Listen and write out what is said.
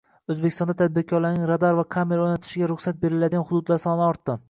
O‘zbekistonda tadbirkorlarning radar va kamera o‘rnatishiga ruxsat beriladigan hududlar soni ortdi